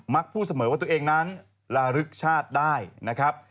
พูดเสมอว่าตัวเองนั้นระลึกชาติได้นะครับ